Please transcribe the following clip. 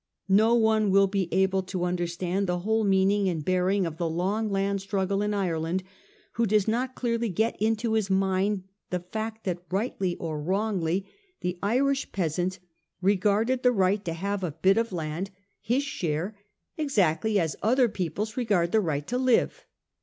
No one will be able to understand the whole meaning and bearing of the long land struggle in Ireland who does not clearly get into his mind the fact that, rightly or wrongly, the Irish peasant regarded the right to have a bit of land, his 418 A HISTORY OF OUR OWN TIMES. ch. rni. share, exactly as other peoples regard the right to live.